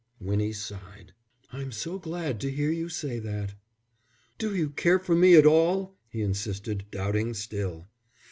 Winnie sighed. "I'm so glad to hear you say that." "Do you care for me at all?" he insisted, doubting still.